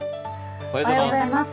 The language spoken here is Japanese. おはようございます。